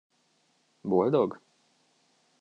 Boldog?